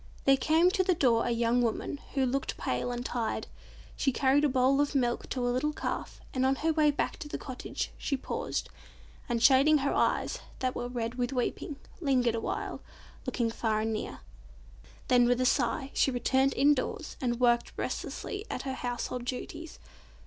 There came to the door a young woman, who looked pale and tired. She carried a bowl of milk to a little calf, and on her way back to the cottage she paused, and shading her eyes, that were red with weeping, lingered awhile, looking far and near. Then, with a sigh, she returned indoors and worked restlessly at her household duties.